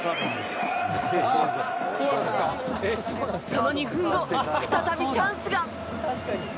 その２３分後、再びチャンスが。